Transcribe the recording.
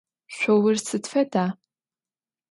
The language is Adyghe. Шъоур сыд фэда?